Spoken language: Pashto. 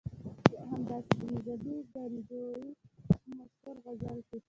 همداسې د نظامي ګنجوي په مشهور غزل کې.